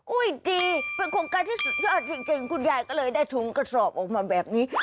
ดีเป็นโครงการที่สุดยอดจริงคุณยายก็เลยได้ถุงกระสอบออกมาแบบนี้